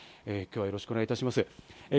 今日はよろしくお願いいたします。